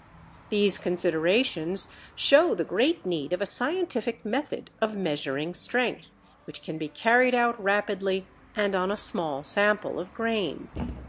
These considerations show the great need of a scientific method of measuring strength, which can be carried out rapidly and on a small sample of grain.